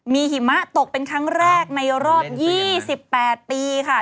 มีหิมะตกเป็นครั้งแรกในรอบ๒๘ปีค่ะ